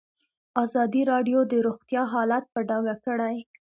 ازادي راډیو د روغتیا حالت په ډاګه کړی.